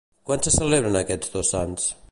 Quan se celebren aquests dos sants?